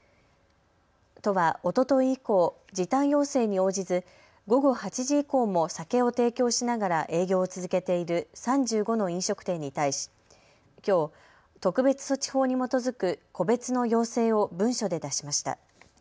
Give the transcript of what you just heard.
都はおととい以降、時短要請に応じず午後８時以降も酒を提供しながら営業を続けている３５の飲食店に対しきょう、特別措置法に基づく個別の要請を文書で出しました。